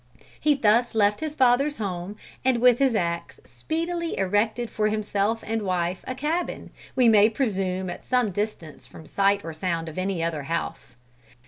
He thus left his father's home, and, with his axe, speedily erected for himself and wife a cabin, we may presume at some distance from sight or sound of any other house.